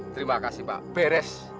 terima kasih pak beres